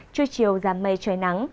trưa chiều giảm mây trời nắng